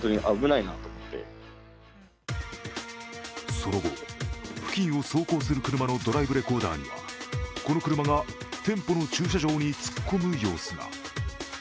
その後、付近を走行する車のドライブレコーダーにはこの車が店舗の駐車場に突っ込む様子が。